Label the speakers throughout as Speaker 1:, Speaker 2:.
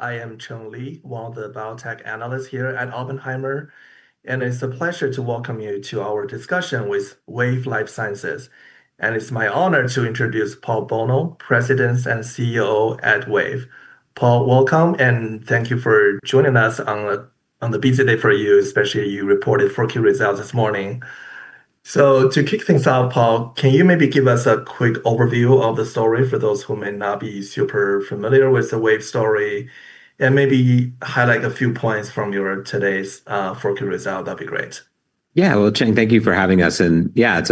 Speaker 1: I am Cheng Li, one of the Biotech Analysts here at Oppenheimer, it's a pleasure to welcome you to our discussion with Wave Life Sciences. It's my honor to introduce Paul Bolno, President and CEO at Wave. Paul Bolno, welcome, and thank you for joining us on a busy day for you, especially you reported 4Q results this morning. To kick things off, Paul Bolno, can you maybe give us a quick overview of the story for those who may not be super familiar with the Wave story, and maybe highlight a few points from your today's 4Q result? That'd be great.
Speaker 2: Cheng Li, thank you for having us. It's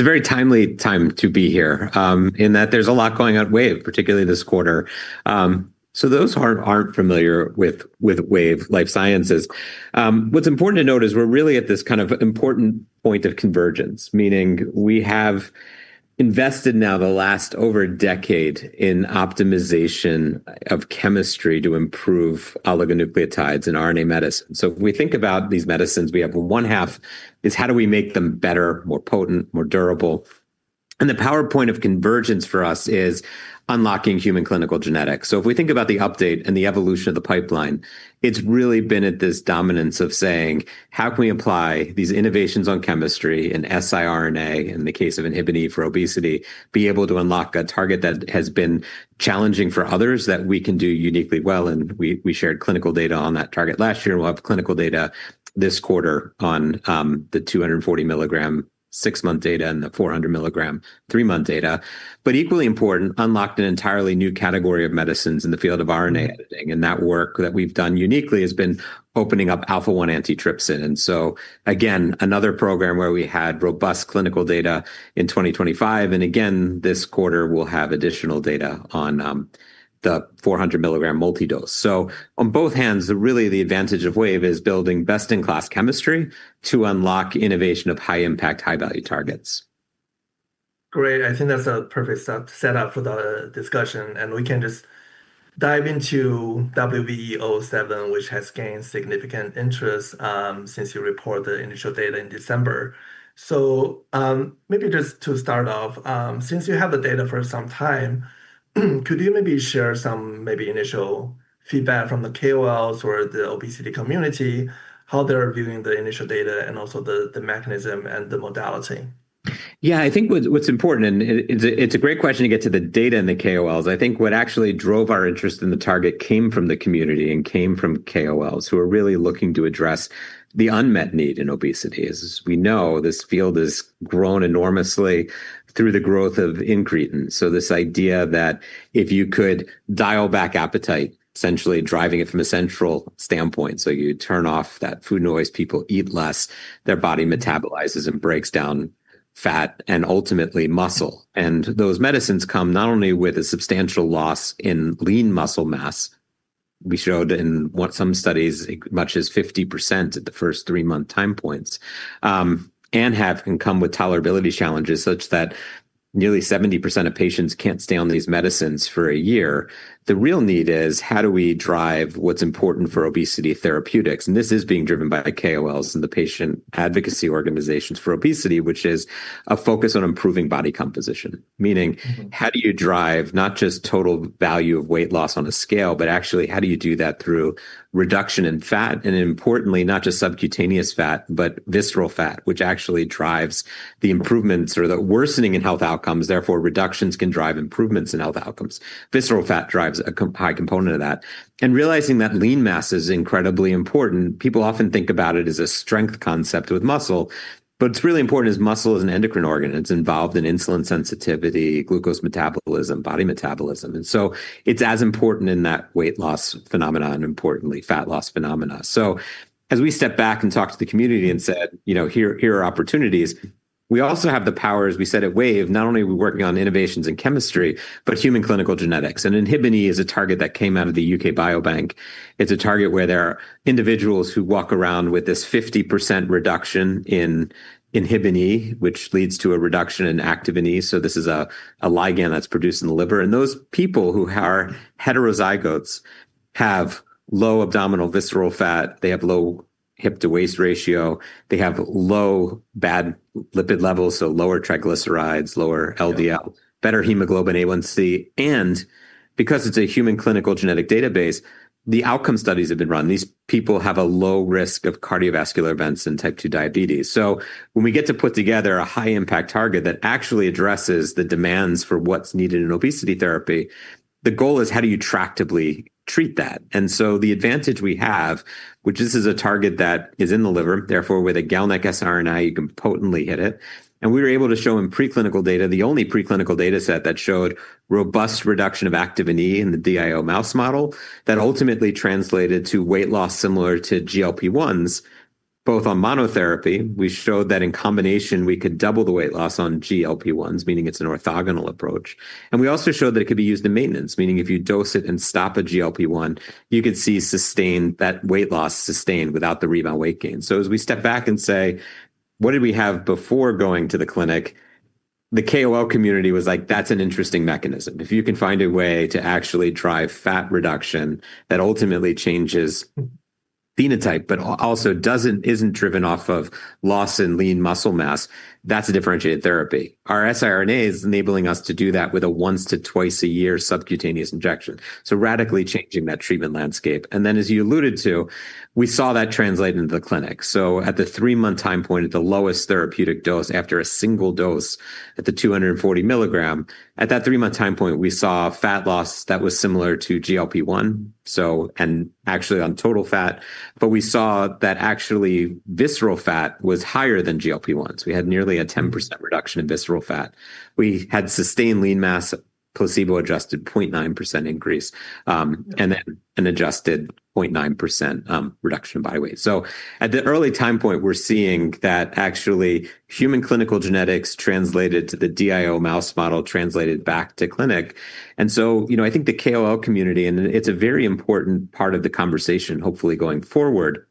Speaker 2: a very timely time to be here, in that there's a lot going on at Wave, particularly this quarter. Those who aren't familiar with Wave Life Sciences, what's important to note is we're really at this kind of important point of convergence, meaning we have invested now the last over a decade in optimization of chemistry to improve oligonucleotides and RNA medicine. If we think about these medicines, we have one half is how do we make them better, more potent, more durable? The power point of convergence for us is unlocking human clinical genetics. If we think about the update and the evolution of the pipeline, it's really been at this dominance of saying: How can we apply these innovations on chemistry and siRNA, in the case of Inhibin βE for obesity, be able to unlock a target that has been challenging for others, that we can do uniquely well? We shared clinical data on that target last year. We'll have clinical data this quarter on the 240 milligram six-month data and the 400 milligram three-month data. Equally important, unlocked an entirely new category of medicines in the field of RNA editing, and that work that we've done uniquely has been opening up alpha-1 antitrypsin. Again, another program where we had robust clinical data in 2025, and again, this quarter we'll have additional data on the 400 milligram multi-dose. On both hands, really, the advantage of Wave is building best-in-class chemistry to unlock innovation of high-impact, high-value targets.
Speaker 1: Great, I think that's a perfect set up for the discussion, and we can just dive into WVE-007, which has gained significant interest since you reported the initial data in December. Maybe just to start off, since you have the data for some time, could you maybe share some maybe initial feedback from the KOLs or the obesity community, how they're viewing the initial data and also the mechanism and the modality?
Speaker 2: I think what's important, and it's a great question to get to the data and the KOLs. I think what actually drove our interest in the target came from the community and came from KOLs, who are really looking to address the unmet need in obesity. As we know, this field has grown enormously through the growth of incretin. This idea that if you could dial back appetite, essentially driving it from a central standpoint, so you turn off that food noise, people eat less, their body metabolizes and breaks down fat and ultimately muscle. Those medicines come not only with a substantial loss in lean muscle mass, we showed in some studies, as much as 50% at the first 3-month time points, can come with tolerability challenges such that nearly 70% of patients can't stay on these medicines for a year. The real need is, how do we drive what's important for obesity therapeutics? This is being driven by the KOLs and the patient advocacy organizations for obesity, which is a focus on improving body composition. Meaning, how do you drive not just total value of weight loss on a scale, but actually, how do you do that through reduction in fat, and importantly, not just subcutaneous fat, but visceral fat, which actually drives the improvements or the worsening in health outcomes. Reductions can drive improvements in health outcomes. Visceral fat drives a high component of that. Realizing that lean mass is incredibly important, people often think about it as a strength concept with muscle, but what's really important is muscle is an endocrine organ, and it's involved in insulin sensitivity, glucose metabolism, body metabolism, and so it's as important in that weight loss phenomenon and importantly, fat loss phenomena. As we step back and talk to the community and said, "Here are opportunities," we also have the power, as we said at Wave, not only are we working on innovations in chemistry, but human clinical genetics. Inhibin βE is a target that came out of the UK Biobank. It's a target where there are individuals who walk around with this 50% reduction in Inhibin βE, which leads to a reduction in Activin E. This is a ligand that's produced in the liver. Those people who are heterozygotes have low abdominal visceral fat, they have low hip-to-waist ratio, they have low bad lipid levels, lower triglycerides, lower LDL better hemoglobin A1c and because It's a human clinical genetic database, the outcome studies have been run. These people have a low risk of cardiovascular events and type 2 diabetes. When we get to put together a high-impact target that actually addresses the demands for what's needed in obesity therapy, the goal is: How do you tractably treat that? The advantage we have, which this is a target that is in the liver, therefore, with a GalNAc-siRNA, you can potently hit it. We were able to show in preclinical data, the only preclinical data set that showed robust reduction of Activin E in the DIO mouse model, that ultimately translated to weight loss similar to GLP-1s, both on monotherapy. We showed that in combination, we could double the weight loss on GLP-1s, meaning it's an orthogonal approach. We also showed that it could be used in maintenance, meaning if you dose it and stop a GLP-1, you could see that weight loss sustained without the rebound weight gain. As we step back and say, what did we have before going to the clinic? The KOL community was like, "That's an interesting mechanism. If you can find a way to actually drive fat reduction, that ultimately changes phenotype, but also doesn't, isn't driven off of loss in lean muscle mass, that's a differentiated therapy. Our siRNA is enabling us to do that with a once to twice a year subcutaneous injection, radically changing that treatment landscape. As you alluded to, we saw that translate into the clinic. At the three-month time point, at the lowest therapeutic dose, after a single dose at the 240 milligram, at that three-month time point, we saw fat loss that was similar to GLP-1, and actually on total fat, we saw that actually visceral fat was higher than GLP-1. We had nearly a 10% reduction in visceral fat. We had sustained lean mass, placebo-adjusted 0.9% increase, and then an adjusted 0.9% reduction in body weight. At the early time point, we're seeing that actually human clinical genetics translated to the DIO mouse model, translated back to clinic. I think the KOL community, and it's a very important part of the conversation, hopefully going forward,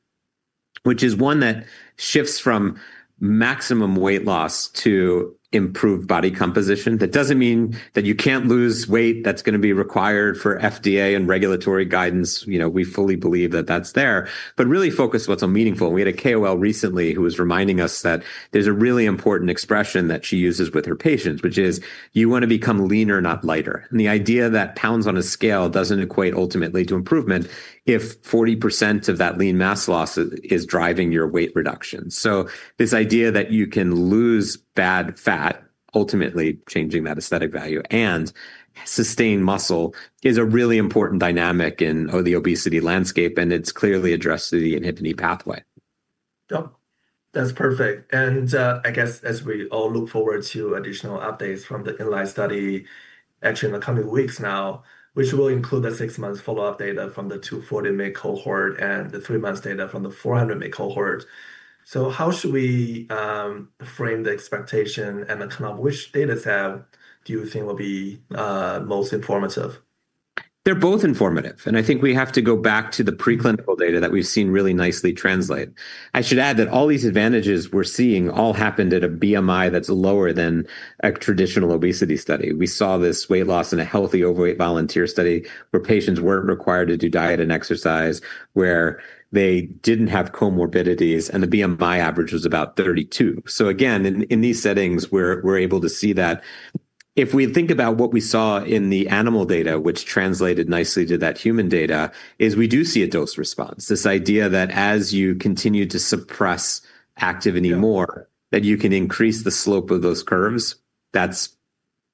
Speaker 2: which is one that shifts from maximum weight loss to improved body composition. That doesn't mean that you can't lose weight. That's going to be required for FDA and regulatory guidance. We fully believe that that's there, but really focus what's on meaningful. We had a KOL recently who was reminding us that there's a really important expression that she uses with her patients, which is: "You want to become leaner, not lighter." The idea that pounds on a scale doesn't equate ultimately to improvement if 40% of that lean mass loss is driving your weight reduction. This idea that you can lose bad fat, ultimately changing that aesthetic value, and sustain muscle, is a really important dynamic in the obesity landscape, and it's clearly addressed through the inhibin pathway.
Speaker 1: That's perfect. I guess as we all look forward to additional updates from the INLIGHT study, actually in the coming weeks now, which will include the 6 months follow-up data from the 240 mg cohort and the 3 months data from the 400 mg cohort. How should we frame the expectation and at now which data set do you think will be most informative?
Speaker 2: They're both informative, I think we have to go back to the preclinical data that we've seen really nicely translate. I should add that all these advantages we're seeing all happened at a BMI that's lower than a traditional obesity study. We saw this weight loss in a healthy, overweight volunteer study, where patients weren't required to do diet and exercise, where they didn't have comorbidities, and the BMI average was about 32. Again, in these settings, we're able to see that if we think about what we saw in the animal data, which translated nicely to that human data, is we do see a dose response. This idea that as you continue to suppress activity more, that you can increase the slope of those curves, that's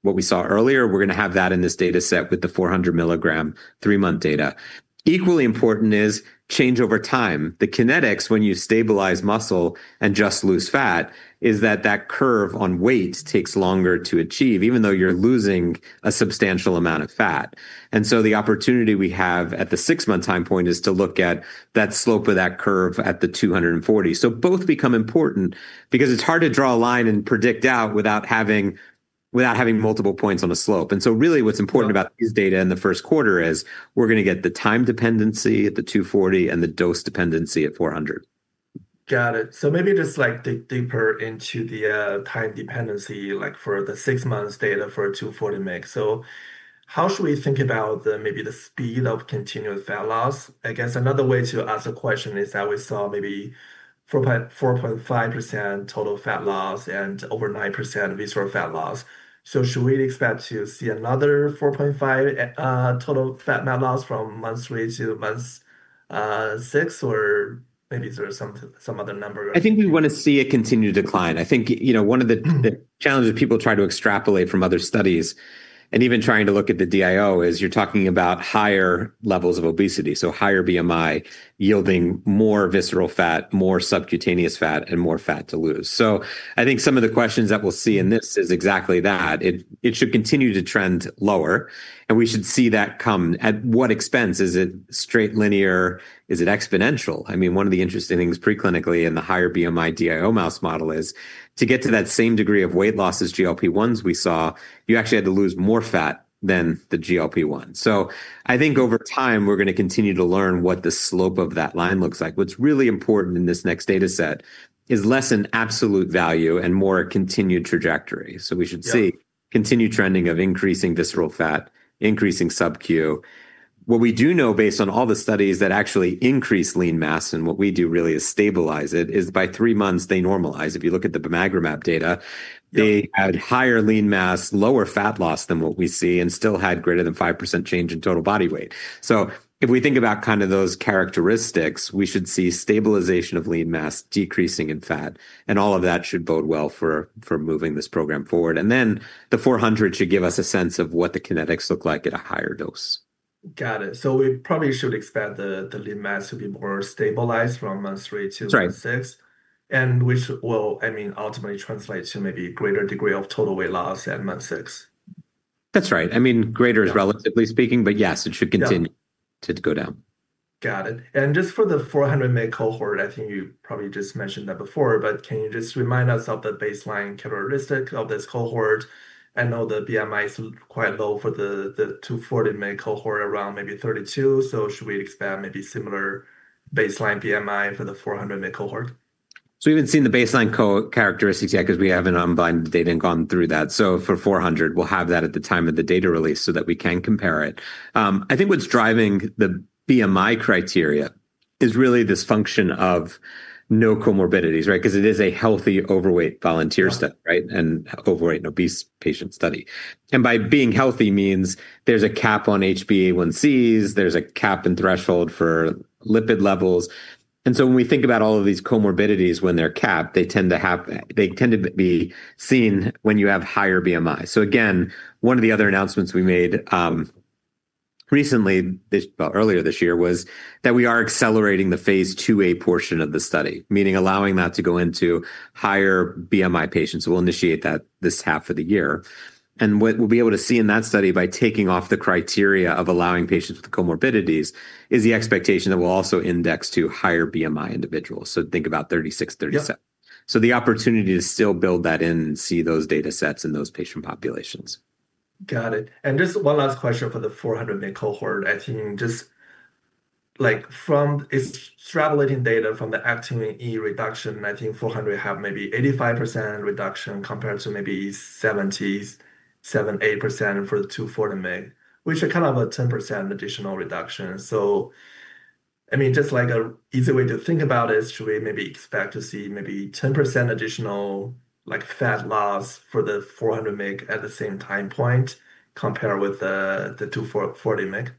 Speaker 2: what we saw earlier. We're going to have that in this data set with the 400 milligram 3-month data. Equally important is change over time. The kinetics, when you stabilize muscle and just lose fat, is that curve on weight takes longer to achieve, even though you're losing a substantial amount of fat. The opportunity we have at the 6-month time point is to look at that slope of that curve at the 240. Both become important because it's hard to draw a line and predict out without having multiple points on a slope. Really, what's important about these data in the first quarter is we're going to get the time dependency at the 240 and the dose dependency at 400.
Speaker 1: Got it. Just like dig deeper into the time dependency, like for the 6 months data for 240 mg. How should we think about the speed of continuous fat loss? I guess another way to ask the question is that we saw maybe 4.5% total fat loss and over 9% visceral fat loss. Should we expect to see another 4.5 total fat mass loss from month 3 to month 6, or maybe is there some other number?
Speaker 2: I think we want to see a continued decline. I thinkone of the challenges people try to extrapolate from other studies and even trying to look at the DIO is you're talking about higher levels of obesity, so higher BMI, yielding more visceral fat, more subcutaneous fat, and more fat to lose. I think some of the questions that we'll see in this is exactly that. It should continue to trend lower, and we should see that come. At what expense? Is it straight linear? Is it exponential? I mean, one of the interesting things preclinically in the higher BMI DIO mouse model is to get to that same degree of weight loss as GLP-1s we saw, you actually had to lose more fat than the GLP-1.I think over time, we're going to continue to learn what the slope of that line looks like. What's really important in this next data set is less an absolute value and more a continued trajectory. We should see continued trending of increasing visceral fat, increasing subcu. What we do know, based on all the studies that actually increase lean mass, and what we do really is stabilize it, is by 3 months they normalize. If you look at the bimagrumab data. They had higher lean mass, lower fat loss than what we see, and still had greater than 5% change in total body weight. If we think about kind of those characteristics, we should see stabilization of lean mass decreasing in fat, and all of that should bode well for moving this program forward. The 400 should give us a sense of what the kinetics look like at a higher dose.
Speaker 1: Got it. We probably should expect the lean mass to be more stabilized from month three to month, six, which will, I mean, ultimately translate to maybe greater degree of total weight loss at month six.
Speaker 2: That's right. I mean is relatively speaking, but yes, it should continue to go down.
Speaker 1: Got it. Just for the 400 mg cohort, I think you probably just mentioned that before, but can you just remind us of the baseline characteristic of this cohort? I know the BMI is quite low for the 240 mg cohort, around maybe 32. Should we expect maybe similar baseline BMI for the 400 mg cohort?
Speaker 2: We haven't seen the baseline co characteristics yet because we haven't unblinded the data and gone through that. For 400, we'll have that at the time of the data release so that we can compare it. I think what's driving the BMI criteria is really this function of no comorbidities, because it is a healthy, overweight volunteer study, right, and overweight and obese patient study. By being healthy means there's a cap on HbA1cs, there's a cap and threshold for lipid levels. When we think about all of these comorbidities, when they're capped, they tend to be seen when you have higher BMI. Again, one of the other announcements we made, recently, earlier this year, was that we are accelerating the Phase 2a portion of the study, meaning allowing that to go into higher BMI patients. We'll initiate that this half of the year. What we'll be able to see in that study, by taking off the criteria of allowing patients with comorbidities, is the expectation that we'll also index to higher BMI individuals. Think about 36, 37. The opportunity to still build that in and see those data sets in those patient populations.
Speaker 1: Got it. Just one last question for the 400 mg cohort. I think from extrapolating data from the Activin E reduction, I think 400 have maybe 85% reduction compared to maybe 77.8% for the 240 mg, which are kind of a 10% additional reduction. I mean, just like an easy way to think about it, should we maybe expect to see maybe 10% additional, like, fat loss for the 400 mg at the same time point compared with the 240 mg?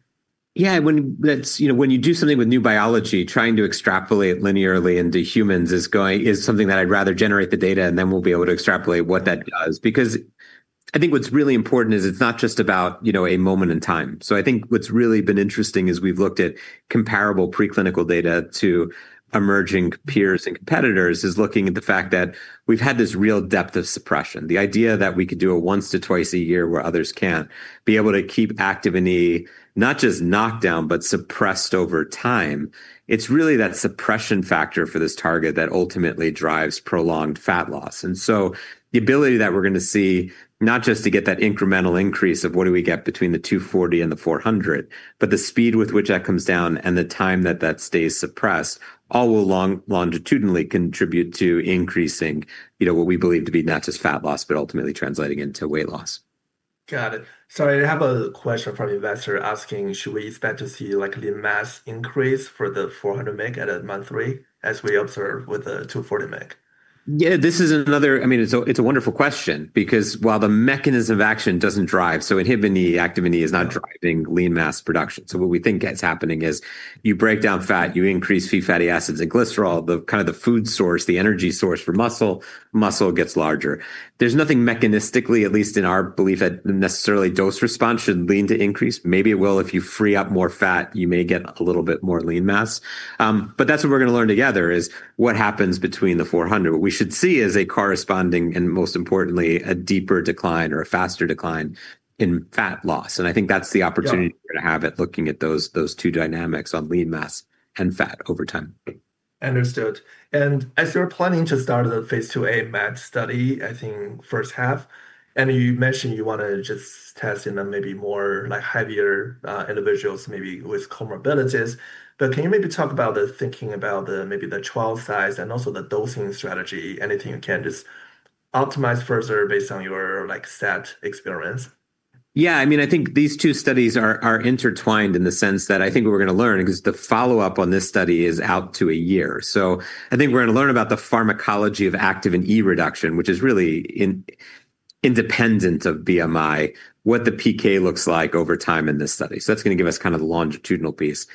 Speaker 2: When you do something with new biology, trying to extrapolate linearly into humans is something that I'd rather generate the data, and then we'll be able to extrapolate what that does, because I think what's really important is it's not just about a moment in time. I think what's really been interesting is we've looked at comparable preclinical data to emerging peers and competitors, is looking at the fact that we've had this real depth of suppression. The idea that we could do a once to twice a year where others can't be able to keep Activin E, not just knocked down, but suppressed over time. It's really that suppression factor for this target that ultimately drives prolonged fat loss. The ability that we're going to see, not just to get that incremental increase of what do we get between the 240 and the 400, but the speed with which that comes down and the time that that stays suppressed, all will longitudinally contribute to increasing, what we believe to be not just fat loss, but ultimately translating into weight loss.
Speaker 1: Got it. I have a question from an investor asking, should we expect to see, like, lean mass increase for the 400 mg at month 3, as we observed with the 240 mg?
Speaker 2: This is another, it's a wonderful question because while the mechanism of action doesn't drive, so Inhibin E, Activin E is not driving lean mass production. What we think is happening is you break down fat, you increase free fatty acids and glycerol, the kind of the food source, the energy source for muscle gets larger. There's nothing mechanistically, at least in our belief, that necessarily dose response should lean to increase. Maybe it will. If you free up more fat, you may get a little bit more lean mass. That's what we're going to learn together, is what happens between the 400. What we should see is a corresponding and most importantly, a deeper decline or a faster decline in fat loss, and I think that's the opportunity to have it, looking at those 2 dynamics on lean mass and fat over time.
Speaker 1: Understood. As you're planning to start a Phase 2a MASH study, I think first half, and you mentioned you want to just test in a maybe more, like, heavier individuals, maybe with comorbidities, but can you maybe talk about the thinking about the, maybe the trial size and also the dosing strategy, anything you can just optimize further based on your set experience?
Speaker 2: I think these two studies are intertwined in the sense that I think we're going to learn, because the follow-up on this study is out to a year. I think we're going to learn about the pharmacology of Activin E reduction, which is really independent of BMI, what the PK looks like over time in this study. That's going to give us kind of the longitudinal piece.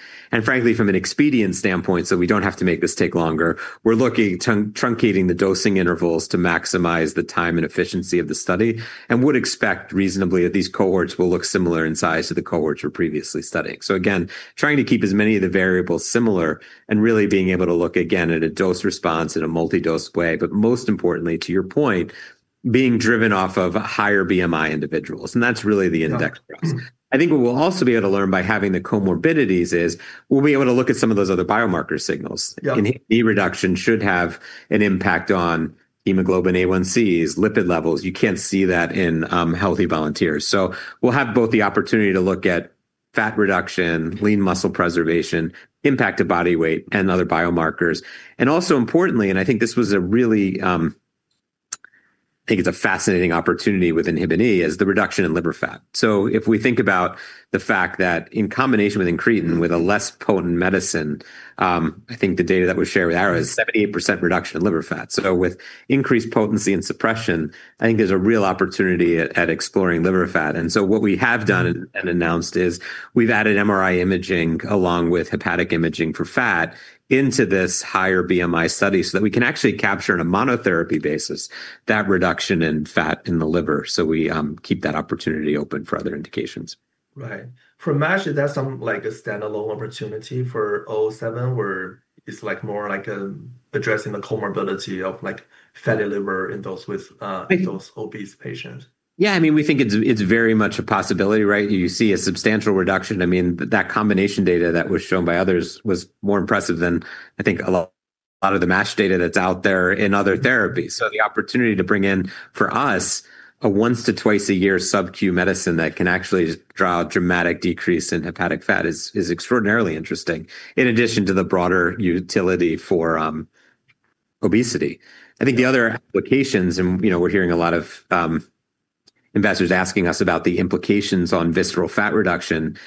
Speaker 2: Frankly, from an expedient standpoint, so we don't have to make this take longer, we're looking truncating the dosing intervals to maximize the time and efficiency of the study, and would expect reasonably, that these cohorts will look similar in size to the cohorts we're previously studying. Again, trying to keep as many of the variables similar and really being able to look again at a dose response in a multi-dose way, but most importantly, to your point, being driven off of higher BMI individuals, and that's really the index for us. I think what we'll also be able to learn by having the comorbidities is, we'll be able to look at some of those other biomarker signals. Inhibin βE reduction should have an impact on hemoglobin A1cs, lipid levels. You can't see that in healthy volunteers. We'll have both the opportunity to look at fat reduction, lean muscle preservation, impact of body weight, and other biomarkers. Importantly, and I think this was a really, I think it's a fascinating opportunity with Inhibin βE, is the reduction in liver fat. If we think about the fact that in combination with incretin, with a less potent medicine, I think the data that we share with Ara is 78% reduction in liver fat. With increased potency and suppression, I think there's a real opportunity at exploring liver fat. What we have done and announced is we've added MRI imaging, along with hepatic imaging for fat, into this higher BMI study, so that we can actually capture in a monotherapy basis, that reduction in fat in the liver. We keep that opportunity open for other indications.
Speaker 1: Right. For MASH, is that some, a standalone opportunity for 007, where it's like more like, addressing the comorbidity of fatty liver in those with, in those obese patients?
Speaker 2: I mean, we think it's very much a possibility,. You see a substantial reduction. I mean, that combination data that was shown by others was more impressive than, I think, a lot of the MASH data that's out there in other therapies. So the opportunity to bring in, for us, a 1 to 2 times a year sub-Q medicine that can actually drive dramatic decrease in hepatic fat is extraordinarily interesting, in addition to the broader utility for obesity. I think the other applications, and we're hearing a lot of investors asking us about the implications on visceral fat reduction,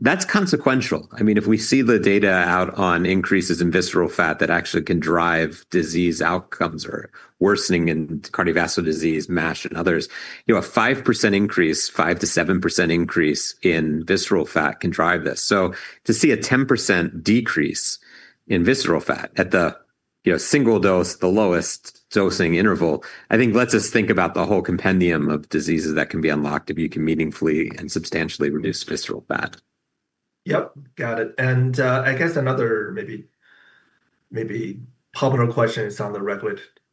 Speaker 2: that's consequential. I mean, if we see the data out on increases in visceral fat, that actually can drive disease outcomes or worsening in cardiovascular disease, MASH, and others. A 5% increase, 5%-7% increase in visceral fat can drive this. To see a 10% decrease in visceral fat at the, single dose, the lowest dosing interval, I think lets us think about the whole compendium of diseases that can be unlocked if you can meaningfully and substantially reduce visceral fat.
Speaker 1: Yep, got it. I guess another maybe popular question is on the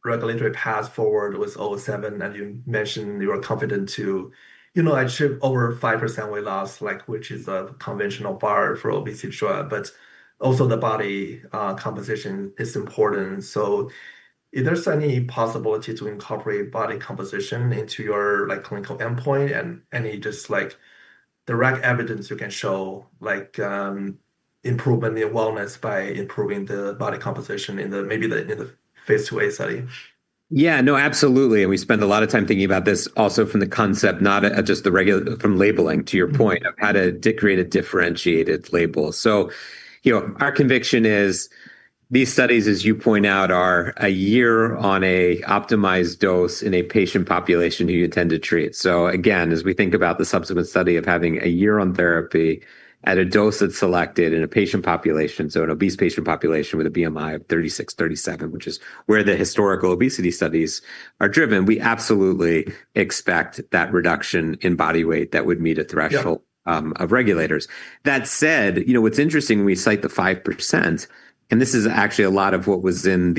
Speaker 1: regulatory path forward with O seven, and you mentioned you are confident to achieve over 5% weight loss, like, which is a conventional bar for obesity drug, but also the body composition is important. Is there any possibility to incorporate body composition into your, like, clinical endpoint and any just, like, direct evidence you can show, like, improvement in wellness by improving the body composition maybe in the Phase 2a study?
Speaker 2: Yeah. No, absolutely, we spend a lot of time thinking about this also from the concept, not at just from labeling, to your point of how to create a differentiated label. Our conviction is these studies, as you point out, are a year on a optimized dose in a patient population who you intend to treat. Again, as we think about the subsequent study of having a year on therapy at a dose that's selected in a patient population, an obese patient population with a BMI of 36, 37, which is where the historical obesity studies are driven, we absolutely expect that reduction in body weight that would meet a threshold of regulators. That said, what's interesting, we cite the 5%, and this is actually a lot of what was in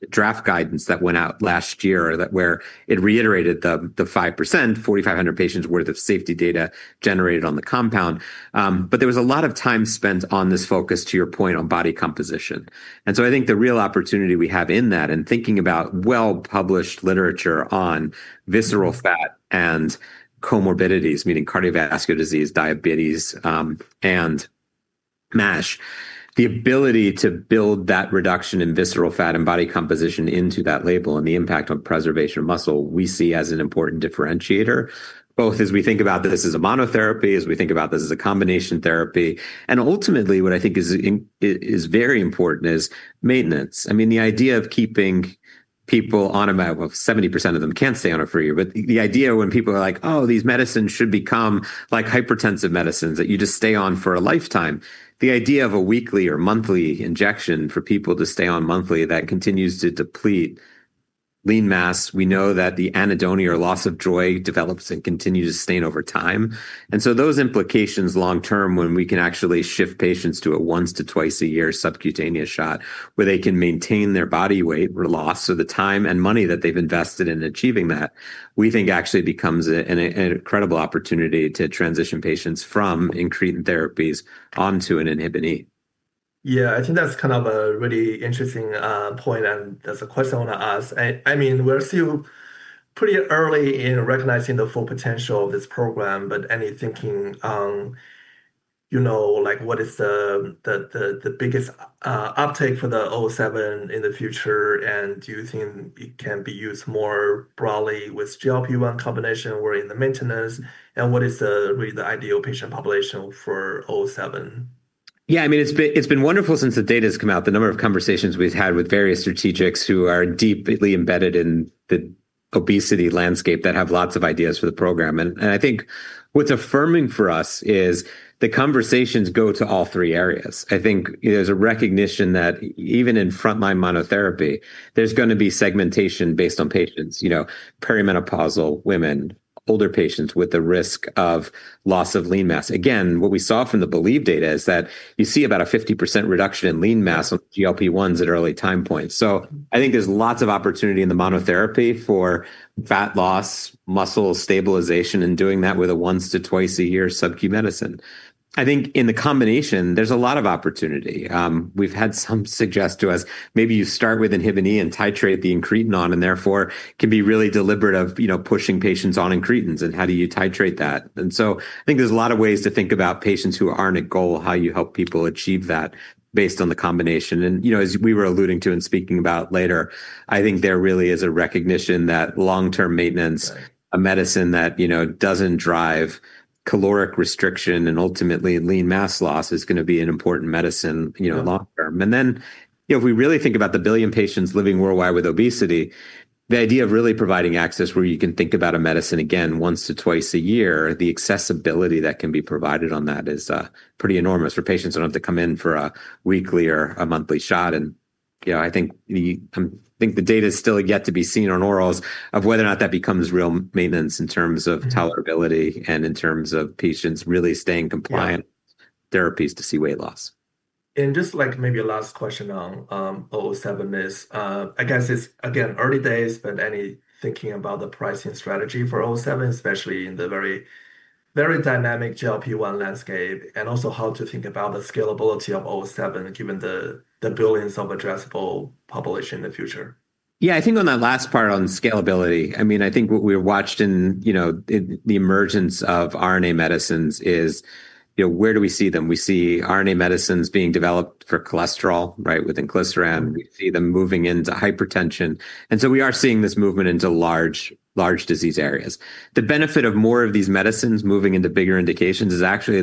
Speaker 2: the, draft guidance that went out last year, that where it reiterated the 5%, 4,500 patients worth of safety data generated on the compound. There was a lot of time spent on this focus, to your point, on body composition. I think the real opportunity we have in that, in thinking about well-published literature on visceral fat and comorbidities, meaning cardiovascular disease, diabetes, and MASH, the ability to build that reduction in visceral fat and body composition into that label and the impact on preservation of muscle, we see as an important differentiator, both as we think about this as a monotherapy, as we think about this as a combination therapy. Ultimately, what I think is very important is maintenance. I mean the idea of keeping people on well, 70% of them can't stay on it for a year, but the idea when people are like: "Oh, these medicines should become like hypertensive medicines that you just stay on for a lifetime." The idea of a weekly or monthly injection for fat people to stay on monthly, that continues to deplete lean mass. We know that the anhedonia or loss of joy develops and continues to sustain over time. Those implications long term, when we can actually shift patients to a once to twice a year subcutaneous shot, where they can maintain their body weight or loss, so the time and money that they've invested in achieving that, we think actually becomes an incredible opportunity to transition patients from incretin therapies onto an inhibin.
Speaker 1: I think that's kind of a really interesting point, and that's a question I want to ask. We're still pretty early in recognizing the full potential of this program, but any thinking, like what is the biggest uptake for the 007 in the future? Do you think it can be used more broadly with GLP-1 combination or in the maintenance, and what is really the ideal patient population for 007?
Speaker 2: Yeah, it's been wonderful since the data's come out, the number of conversations we've had with various strategics who are deeply embedded in the obesity landscape, that have lots of ideas for the program. I think what's affirming for us is the conversations go to all three areas. I think there's a recognition that even in frontline monotherapy, there's going to be segmentation based on patients, perimenopausal women, older patients with a risk of loss of lean mass. Again, what we saw from the BELIEVE data is that you see about a 50% reduction in lean mass on GLP-1s at early time points. I think there's lots of opportunity in the monotherapy for fat loss, muscle stabilization, and doing that with a once to twice a year sub-Q medicine. I think in the combination, there's a lot of opportunity. We've had some suggest to us, maybe you start with inhibin and titrate the incretin on, therefore can be really deliberate of pushing patients on incretins, and how do you titrate that? I think there's a lot of ways to think about patients who aren't a goal, how you help people achieve that based on the combination. As we were alluding to and speaking about later, I think there really is a recognition that long-term maintenancea medicine that doesn't drive caloric restriction and ultimately lean mass loss, is going to be an important medicine in long term. If we really think about the 1 billion patients living worldwide with obesity, the idea of really providing access where you can think about a medicine again once to twice a year, the accessibility that can be provided on that is pretty enormous for patients who don't have to come in for a weekly or a monthly shot. I think the data is still yet to be seen on orals of whether or not that becomes real maintenance in terms of tolerability and in terms of patients really staying compliant with therapies to see weight loss.
Speaker 1: Maybe a last question on 007 is, I guess it's, again, early days, but any thinking about the pricing strategy for 007, especially in the very, very dynamic GLP-1 landscape, and also how to think about the scalability of 007, given the billions of addressable population in the future?
Speaker 2: Yeah, I think on that last part on scalability, what we've watched in the emergence of RNA medicines is where do we see them? We see RNA medicines being developed for cholesterol, right, with inclisiran. We see them moving into hypertension. We are seeing this movement into large disease areas. The benefit of more of these medicines moving into bigger indications is actually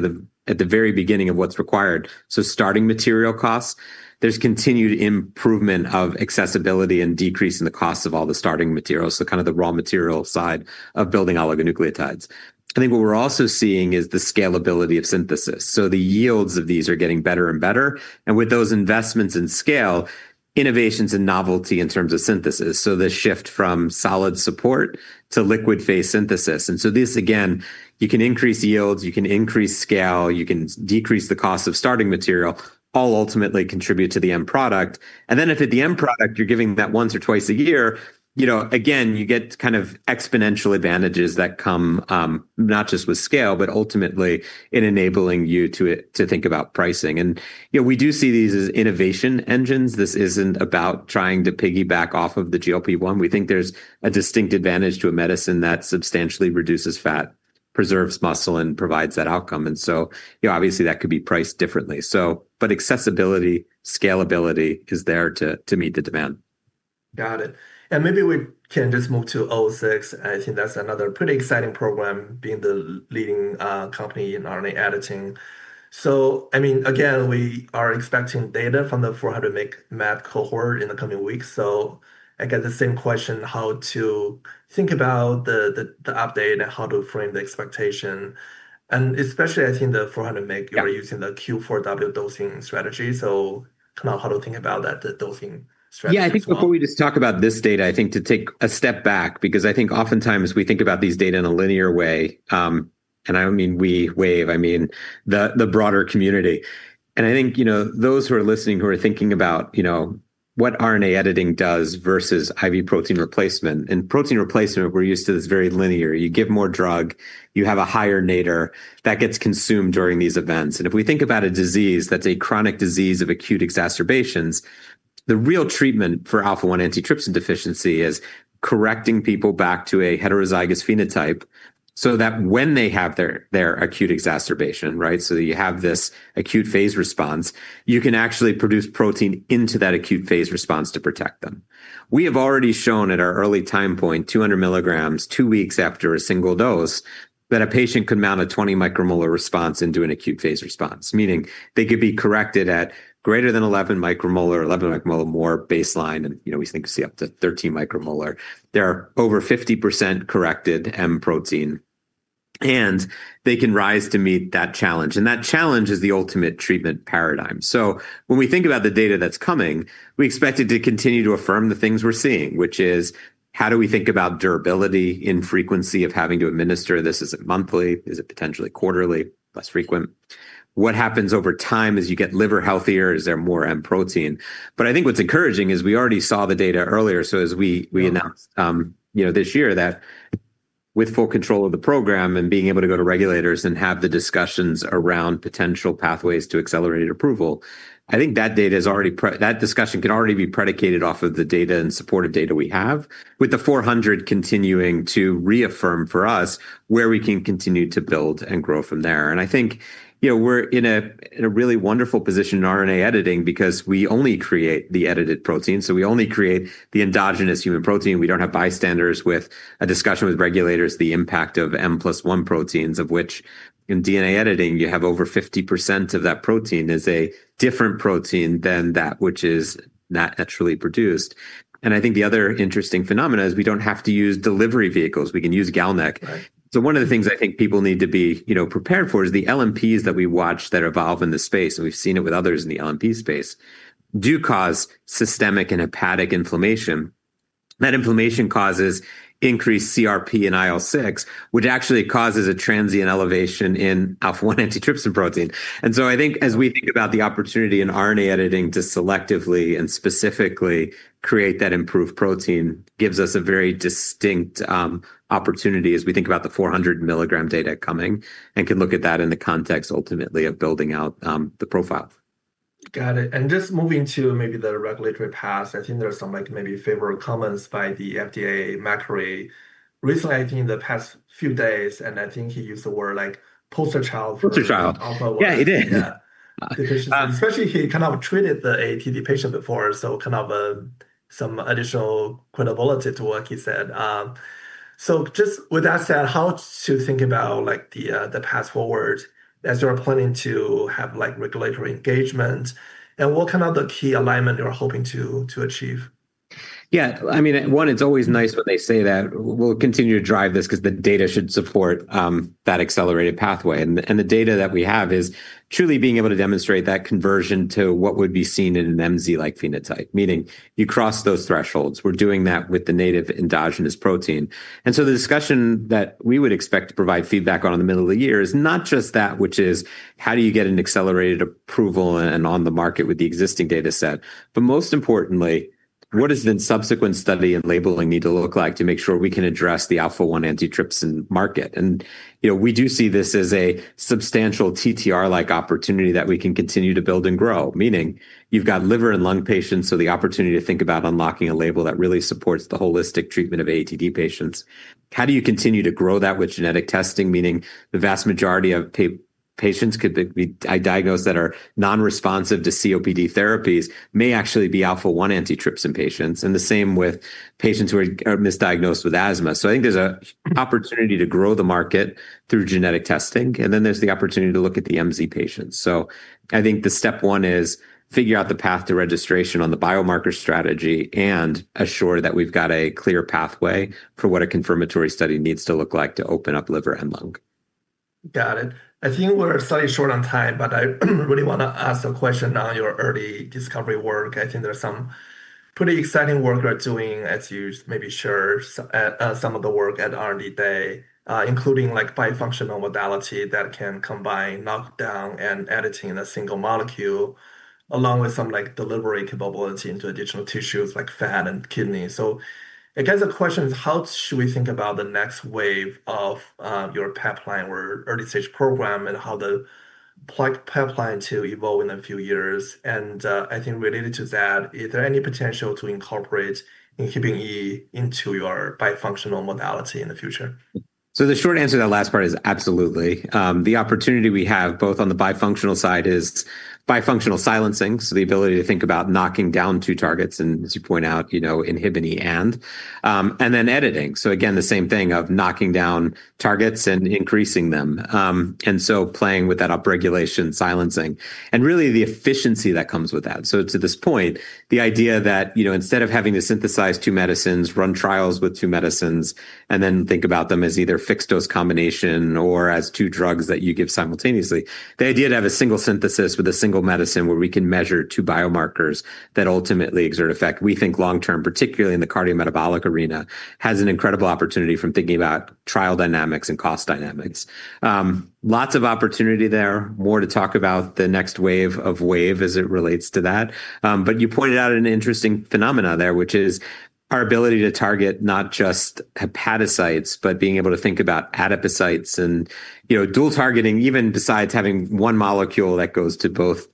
Speaker 2: at the very beginning of what's required. Starting material costs, there's continued improvement of accessibility and decrease in the cost of all the starting materials, so kind of the raw material side of building oligonucleotides. I think what we're also seeing is the scalability of synthesis. The yields of these are getting better and better. With those investments in scale, innovations and novelty in terms of synthesis, the shift from solid support to liquid phase synthesis. This, again, you can increase yields, you can increase scale, you can decrease the cost of starting material, all ultimately contribute to the end product. If at the end product, you're giving that once or twice a year, again, you get kind of exponential advantages that come not just with scale, but ultimately in enabling you to think about pricing. we do see these as innovation engines. This isn't about trying to piggyback off of the GLP-1. We think there's a distinct advantage to a medicine that substantially reduces fat, preserves muscle, and provides that outcome. Obviously, that could be priced differently. Accessibility, scalability is there to meet the demand.
Speaker 1: Got it. Maybe we can just move to 006. I think that's another pretty exciting program, being the leading company in RNA editing. I mean, again, we are expecting data from the 400 mg MAD cohort in the coming weeks. Again, the same question, how to think about the update and how to frame the expectation? Especially, I think, the 400 mg.
Speaker 2: Yeah.
Speaker 1: You are using the Q4W dosing strategy. Kind of how to think about that, the dosing strategy?
Speaker 2: I think before we just talk about this data, I think to take a step back, because I think oftentimes we think about these data in a linear way, I don't mean we Wave, I mean the broader community. I think, those who are listening, who are thinking about, what RNA editing does versus IV protein replacement. In protein replacement, we're used to this very linear. You give more drug, you have a higher NATER that gets consumed during these events. If we think about a disease that's a chronic disease of acute exacerbations, the real treatment for alpha-1 antitrypsin deficiency is correcting people back to a heterozygous phenotype so that when they have their acute exacerbation. You have this acute phase response, you can actually produce protein into that acute phase response to protect them. We have already shown at our early time point, 200 milligrams, 2 weeks after a single dose, that a patient could mount a 20 micromolar response into an acute phase response, meaning they could be corrected at greater than 11 micromolar, 11 micromolar, more baseline, we think to see up to 13 micromolar. They're over 50% corrected M protein, they can rise to meet that challenge. That challenge is the ultimate treatment paradigm. When we think about the data that's coming, we expect it to continue to affirm the things we're seeing, which is: how do we think about durability in frequency of having to administer this? Is it monthly? Is it potentially quarterly, less frequent? What happens over time as you get liver healthier? Is there more M protein? I think what's encouraging is we already saw the data earlier says we announced. This year that with full control of the program and being able to go to regulators and have the discussions around potential pathways to accelerated approval, I think that data is already that discussion can already be predicated off of the data and supportive data we have, with the 400 continuing to reaffirm for us where we can continue to build and grow from there. I think, we're in a, in a really wonderful position in RNA editing because we only create the edited protein, so we only create the endogenous human protein. We don't have bystanders with a discussion with regulators, the impact of M+1 proteins, of which in DNA editing, you have over 50% of that protein is a different protein than that which is not naturally produced.I think the other interesting phenomena is we don't have to use delivery vehicles. We can use GalNAc. One of the things I think people need to be prepared for is the LNPs that we watch that evolve in this space, and we've seen it with others in the LNP space, do cause systemic and hepatic inflammation. That inflammation causes increased CRP and IL-6, which actually causes a transient elevation in alpha-1 antitrypsin protein. I think as we think about the opportunity in RNA editing to selectively and specifically create that improved protein, gives us a very distinct opportunity as we think about the 400 milligram data coming, and can look at that in the context ultimately of building out the profile.
Speaker 1: Got it. Just moving to maybe the regulatory path, I think there are some, like, maybe favorite comments by the FDA Macquarie. Recently, I think in the past few days, I think he used the word like, poster child...
Speaker 2: ``Poster child....
Speaker 1: ``alpha-1.
Speaker 2: Yeah, he did.
Speaker 1: Yeah. Especially, he kind of treated the ATD patient before, so kind of, some additional credibility to what he said. Just with that said, how to think about the path forward as you are planning to have, like, regulatory engagement, and what kind of the key alignment you are hoping to achieve?
Speaker 2: It's always nice when they say that we'll continue to drive this because the data should support that accelerated pathway. And the data that we have is truly being able to demonstrate that conversion to what would be seen in an MZ-like phenotype, meaning you cross those thresholds. We're doing that with the native endogenous protein. The discussion that we would expect to provide feedback on in the middle of the year is not just that, which is: How do you get an accelerated approval and on the market with the existing data set? Most importantly, what does then subsequent study and labeling need to look like to make sure we can address the alpha-1 antitrypsin market? We do see this as a substantial TTR-like opportunity that we can continue to build and grow, meaning you've got liver and lung patients, so the opportunity to think about unlocking a label that really supports the holistic treatment of ATD patients. How do you continue to grow that with genetic testing? Meaning the vast majority of patients could be diagnosed that are non-responsive to COPD therapies may actually be Alpha-1 antitrypsin patients, and the same with patients who are misdiagnosed with asthma. I think there's an opportunity to grow the market through genetic testing, and then there's the opportunity to look at the MZ patients.I think the step 1 is figure out the path to registration on the biomarker strategy and assure that we've got a clear pathway for what a confirmatory study needs to look like to open up liver and lung.
Speaker 1: Got it. I think we're slightly short on time, but I really want to ask a question on your early discovery work. I think there are some pretty exciting work you're doing, as you maybe shared some of the work at R&D Day, including, like, bifunctional modality that can combine knockdown and editing in a single molecule, along with some, like, delivery capability into additional tissues like fat and kidney. I guess the question is: how should we think about the next wave of your pipeline or early-stage program, and how the pipeline to evolve in a few years? I think related to that, is there any potential to incorporate Inhibin E into your bifunctional modality in the future?
Speaker 2: The short answer to that last part is absolutely. The opportunity we have, both on the bifunctional side, is bifunctional silencing, so the ability to think about knocking down two targets and, as you point out Inhibin E and then editing, so again, the same thing of knocking down targets and increasing them. So playing with that upregulation, silencing, and really the efficiency that comes with that. To this point, the idea that instead of having to synthesize two medicines, run trials with two medicines, and then think about them as either fixed-dose combination or as two drugs that you give simultaneously, the idea to have a single synthesis with a single medicine where we can measure two biomarkers that ultimately exert effect, we think long term, particularly in the cardiometabolic arena, has an incredible opportunity from thinking about trial dynamics and cost dynamics. Lots of opportunity there. More to talk about the next wave of WAVE as it relates to that. You pointed out an interesting phenomena there, which is our ability to target not just hepatocytes, but being able to think about adipocytes and dual targeting, even besides having one molecule that goes to both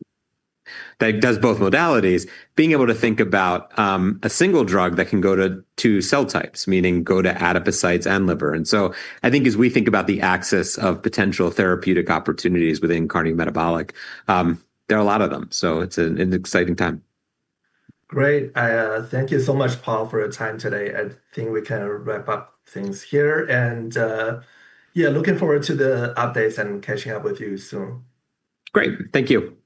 Speaker 2: that does both modalities, being able to think about a single drug that can go to two cell types, meaning go to adipocytes and liver. I think as we think about the axis of potential therapeutic opportunities within cardiometabolic, there are a lot of them, so it's an exciting time.
Speaker 1: Great. I thank you so much, Paul Bolno, for your time today. I think we can wrap up things here, and, yeah, looking forward to the updates and catching up with you soon.
Speaker 2: Great. Thank you.
Speaker 1: Thank you.